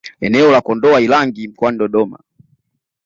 Eneo la Kondoa Irangi mkoani Dodoma